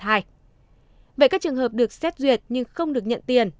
vậy các trường hợp được xét duyệt nhưng không được nhận tiền